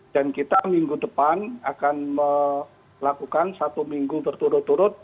dan kita minggu depan akan melakukan satu minggu berturut turut